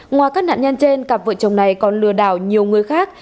ngoài các nạn nhân trên cặp vợ chồng này còn lừa đảo nhiều người khác